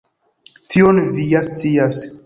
Tion vi ja scias.